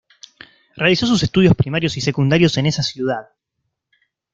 Realizó sus estudios primarios y secundarios en esa ciudad.